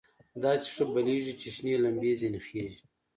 داسې ښه بلېږي چې شنې لمبې ځنې خېژي.